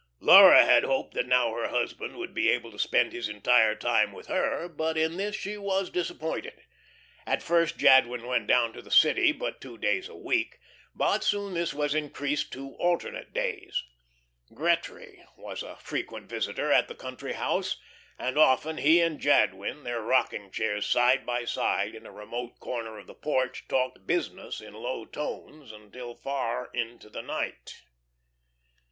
Laura had hoped that now her husband would be able to spend his entire time with her, but in this she was disappointed. At first Jadwin went down to the city but two days a week, but soon this was increased to alternate days. Gretry was a frequent visitor at the country house, and often he and Jadwin, their rocking chairs side by side in a remote corner of the porch, talked "business" in low tones till far into the night.